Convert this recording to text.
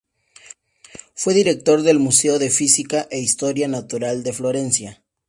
Fue director del Museo de Física e Historia Natural de Florencia.